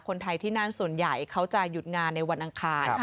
คนไทยที่นั่นส่วนใหญ่เขาจะหยุดงานในวันอังคาร